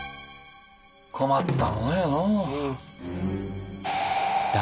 困ったものよのう。